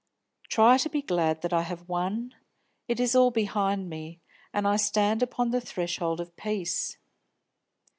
Try to be glad that I have won; it is all behind me, and I stand upon the threshold of peace.